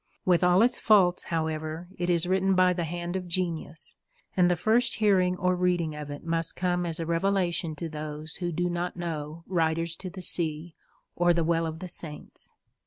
With all its faults, however, it is written by the hand of genius, and the first hearing or reading of it must come as a revelation to those who do not know Riders to the Sea or _The Well of the Saints.